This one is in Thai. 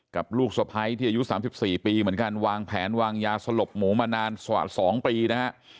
ลูกสะพ้ายที่อายุ๓๔ปีเหมือนกันวางแผนวางยาสลบหมูมานานกว่า๒ปีนะฮะ